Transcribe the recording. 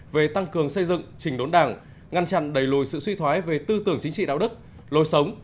về tăng cường xây dựng trình đốn đảng ngăn chặn đẩy lùi sự suy thoái về tư tưởng chính trị đạo đức lối sống